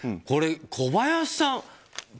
これ、小林さん。